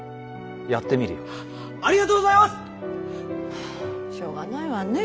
はあしょうがないわねぇ。